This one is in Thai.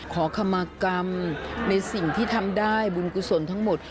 ขอคำมากรรมในสิ่งที่ทำได้บุญกุศลทั้งหมด